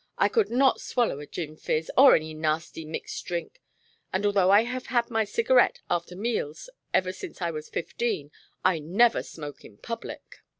I could not swallow a gin fizz, or any nasty mixed drink. And although I have had my cigarette after meals ever since I was fifteen, I never smoke in public."